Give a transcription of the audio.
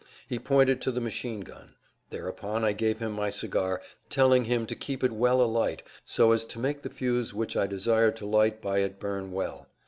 He pointed to the machine gun. Thereupon I gave him my cigar, telling him to keep it well alight so as to make the fuse which I desired to light by it burn well.